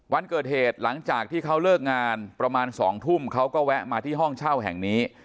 วันเกิดเหตุหลังจากที่เขาเลิกงานประมาณ๒ทุ่มเขาก็แวะมาที่ห้องเช่าแห่งนี้